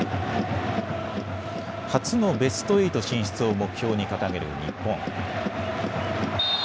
初のベスト８進出を目標に掲げる日本。